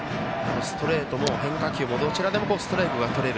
ストレートも変化球もどちらもストライクがとれる。